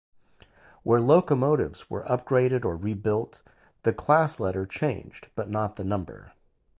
Where locomotives were upgraded or rebuilt, the class letter changed, but not the number.